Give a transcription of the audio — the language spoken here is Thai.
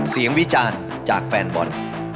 เสียงวิจารณ์จากแฟนบอล